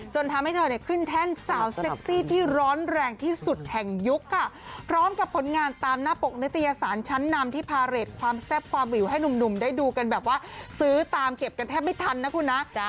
ทำให้เธอเนี่ยขึ้นแท่นสาวเซ็กซี่ที่ร้อนแรงที่สุดแห่งยุคค่ะพร้อมกับผลงานตามหน้าปกนิตยสารชั้นนำที่พาเรทความแซ่บความวิวให้หนุ่มได้ดูกันแบบว่าซื้อตามเก็บกันแทบไม่ทันนะคุณนะ